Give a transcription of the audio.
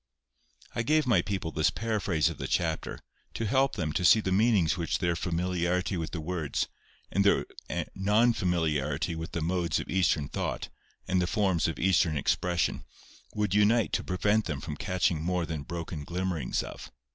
I gave my people this paraphrase of the chapter, to help them to see the meanings which their familiarity with the words, and their non familiarity with the modes of Eastern thought, and the forms of Eastern expression, would unite to prevent them from catching more than broken glimmerings of.